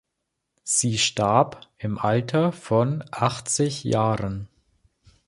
Sie starb im Alter von achtzig Jahren.